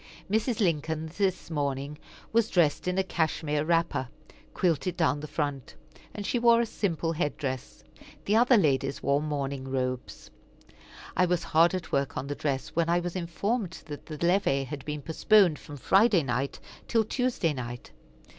Mrs. Lincoln this morning was dressed in a cashmere wrapper, quilted down the front; and she wore a simple head dress. The other ladies wore morning robes. I was hard at work on the dress, when I was informed that the levee had been postponed from Friday night till Tuesday night.